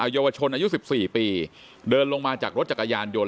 อโยวชนอายุสิบสี่ปีเดินลงมาจากรถจักรยานยนต์